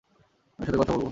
আমি ওর সঙ্গে কথা বলব।